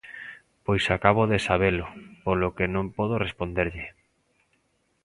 Pois acabo de sabelo, polo que non podo responderlle.